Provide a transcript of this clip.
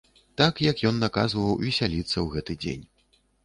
Так як ён наказваў весяліцца ў гэты дзень.